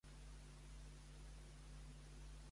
Qui fa pudor i no es dutxa amb sabó que no pugi en autobús